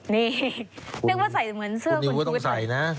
นี่นึกว่าใส่เหมือนเสื้อคุณก็ต้องใส่นะ